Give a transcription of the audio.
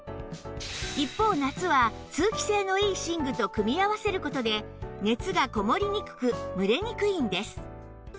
一方夏は通気性のいい寝具と組み合わせる事で熱がこもりにくく蒸れにくいんです